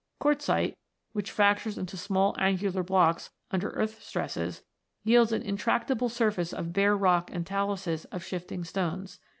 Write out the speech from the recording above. Quartzite, which fractures into small angular blocks under earth stresses, yields an intractable surface of bare rock and taluses of shifting stones.